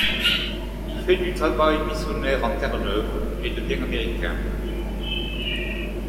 Il fait du travail missionnaire en Terre-Neuve et devient américain.